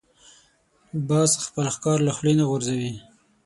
باز خپل ښکار له خولې نه غورځوي